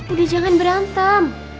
udah jangan berantem